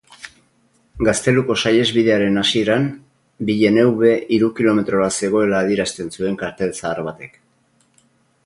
Gazteluko saihesbidearen hasieran, Villeneuve hiru kilometrora zegoela adierazten zuen kartel zahar batek.